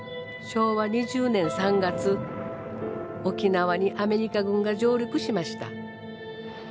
昭和２０年３月沖縄にアメリカ軍が上陸しました。